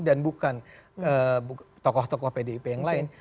dan bukan tokoh tokoh pdip yang lain